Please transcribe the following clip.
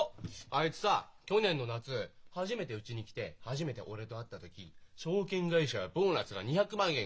あいつさ去年の夏初めてうちに来て初めて俺と会った時「証券会社はボーナスが２００万円。